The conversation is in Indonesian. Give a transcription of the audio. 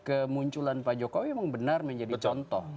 kemunculan pak jokowi memang benar menjadi contoh